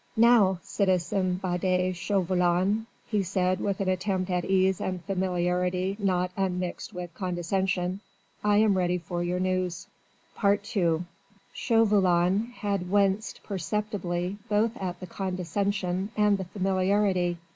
"Now, citizen Chauvelin," he said with at attempt at ease and familiarity not unmixed with condescension, "I am ready for your news." II Chauvelin had winced perceptibly both at the condescension and the familiarity.